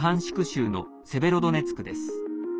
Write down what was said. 州のセベロドネツクです。